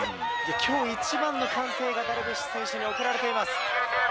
きょう一番の歓声がダルビッシュ選手に送られています。